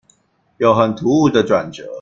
有很突兀的轉折